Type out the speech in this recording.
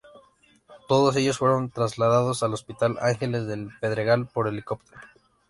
Todos ellos fueron trasladados al Hospital Ángeles del Pedregal por helicóptero.